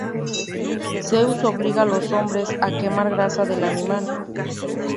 Zeus obliga a los hombres a quemar grasa del animal.